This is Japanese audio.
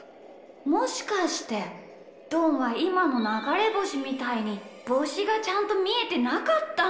もしかしてどんはいまのながれぼしみたいにぼうしがちゃんとみえてなかったんだ。